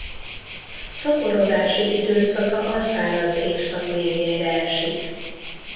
Szaporodási időszaka a száraz évszak végére esik.